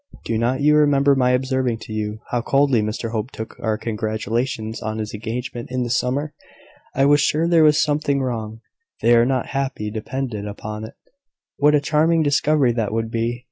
Do not you remember my observing to you, how coldly Mr Hope took our congratulations on his engagement in the summer? I was sure there was something wrong. They are not happy, depend upon it." "What a charming discovery that would be!"